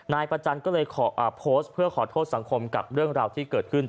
นายประจันทร์ก็เลยโพสต์เพื่อขอโทษสังคมกับเรื่องราวที่เกิดขึ้น